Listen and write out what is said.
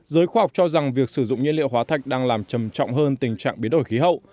giới khoa học cho rằng việc sử dụng nhiên liệu hóa thạch đang làm trầm trọng hơn tình trạng biến đổi khí hậu